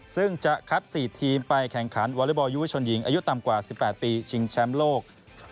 ซึ่งจะคัด๔ทีมไปแข่งขันวอเล็กบอลยูวิชนหญิงอายุต่ำกว่า๑๘ปีชิงแชมป์โลก